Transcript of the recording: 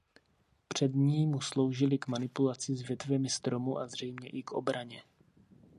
Přední mu sloužily k manipulaci s větvemi stromů a zřejmě i k obraně.